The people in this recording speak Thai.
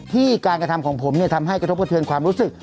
การกระทำของผมทำให้กระทบกระเทือนความรู้สึก